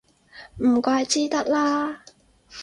唔怪之得啦